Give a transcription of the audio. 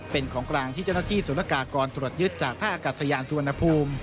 เป็นของกลางที่เจ้าหน้าที่ศูนย์กากรตรวจยึดจากท่าอากาศยานสุวรรณภูมิ